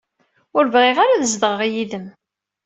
Ur bɣiɣ ara ad zedɣeɣ yid-m.